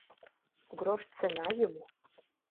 Грош цена ему.